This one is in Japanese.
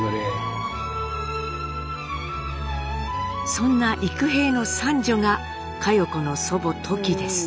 そんな幾平の３女が佳代子の祖母トキです。